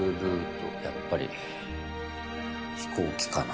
やっぱり飛行機かな。